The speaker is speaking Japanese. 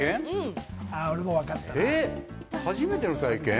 初めての体験？